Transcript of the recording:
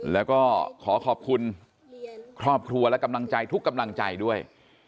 แล้วก็ขอขอบคุณครอบครัวและกำลังใจทุกกำลังใจด้วย